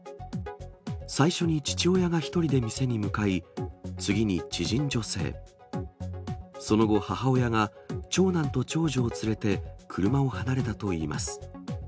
最初に父親が１人で店に向かい、次に知人女性、その後、母親が長男と長女を連れて車を離れたといいます。